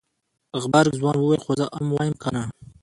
غبرګ ځوان وويل خو زه ام وايم کنه.